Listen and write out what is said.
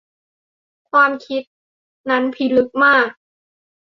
ความคิดนั้นพิลึกมาก